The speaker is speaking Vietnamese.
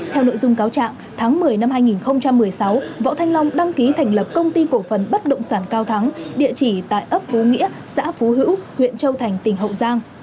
theo nội dung cáo trạng tháng một mươi năm hai nghìn một mươi sáu võ thanh long đăng ký thành lập công ty cổ phần bất động sản cao thắng địa chỉ tại ấp phú nghĩa xã phú hữu huyện châu thành tỉnh hậu giang